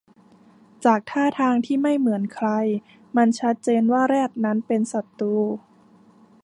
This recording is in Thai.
จากท่าทางที่ไม่เหมือนใครมันชัดเจนว่าแรดนั้นเป็นศัตรู